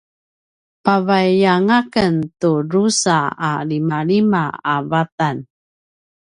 pavaiyanga ken tu drusa a limalima a vatan